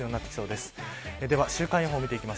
では、週間予報です。